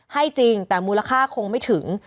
ให้จริงแต่มูลค่าคงไม่ถึง